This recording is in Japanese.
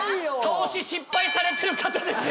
投資失敗されてる方ですよね？